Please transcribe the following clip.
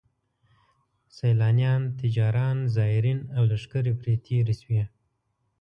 سیلانیان، تجاران، زایرین او لښکرې پرې تېر شوي.